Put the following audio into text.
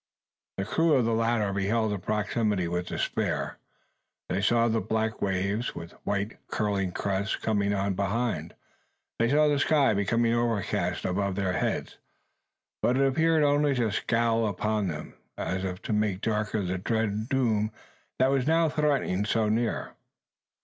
The crew of the latter beheld the proximity with despair. They saw the black waves, with white curling crests, coming on behind. They saw the sky becoming overcast above their heads; but it appeared only to scowl upon them, as if to make darker the dread doom that was now threatening so near.